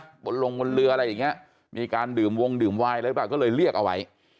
บนลงบนเรืออะไรอย่างเงี้ยมีการดื่มวงดื่มวายอะไรหรือเปล่าก็เลยเรียกเอาไว้